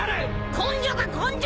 根性だ根性！